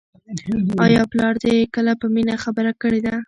آیا پلار دې کله په مینه خبره کړې ده؟